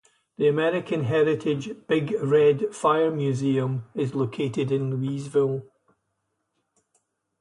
The American Heritage "Big Red" Fire Museum is located in Louisville.